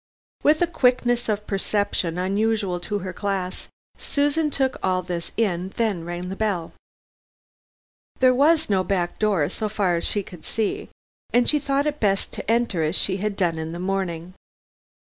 With a quickness of perception unusual in her class, Susan took all this in, then rang the bell. There was no back door, so far as she could see, and she thought it best to enter as she had done in the morning.